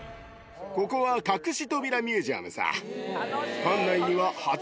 ここは隠し扉ミュージアムさ。